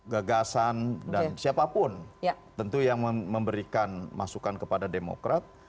gagasan dan siapapun tentu yang memberikan masukan kepada demokrat